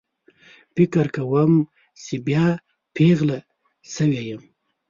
فکر کوم چې بیا پیغله شوې یم